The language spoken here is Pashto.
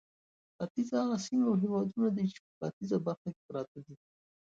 ختیځ هغه سیمې او هېوادونه دي چې په ختیځه برخه کې پراته دي.